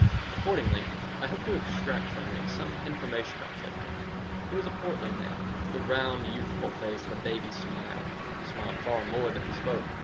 Accordingly, I hoped to extract from him some information about Tevkin. He was a portly man, with a round, youthful face and a baby smile. He smiled far more than he spoke.